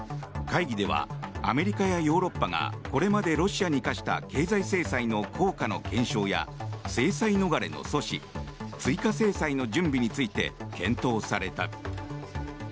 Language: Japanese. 会議ではアメリカやヨーロッパがこれまでロシアに科した経済制裁の効果の検証や制裁逃れの阻止追加制裁の準備について検討された。